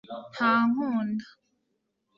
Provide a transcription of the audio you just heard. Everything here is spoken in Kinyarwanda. ntunkunda